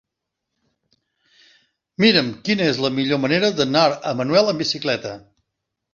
Mira'm quina és la millor manera d'anar a Manuel amb bicicleta.